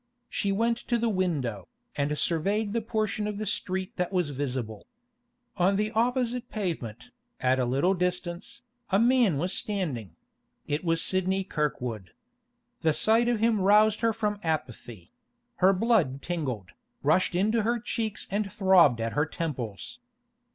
She went to the window, and surveyed the portion of street that was visible. On the opposite pavement, at a little distance, a man was standing; it was Sidney Kirkwood. The sight of him roused her from apathy; her blood tingled, rushed into her cheeks and throbbed at her temples.